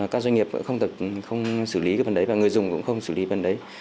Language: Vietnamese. các doanh nghiệp cũng không xử lý phần đấy và người dùng cũng không xử lý phần đấy